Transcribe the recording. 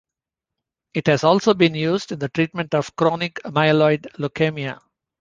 It also has been used in the treatment of chronic myeloid leukemia.